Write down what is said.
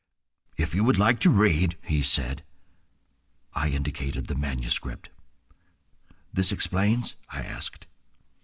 "If you would like to read—" he said. I indicated the manuscript. "This explains?" I asked.